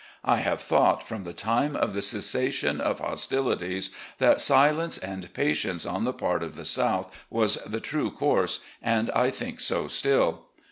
I have thought, from the time of the cessation of hostilities, that silence and patience on the part of the South was the true course; and I think so still.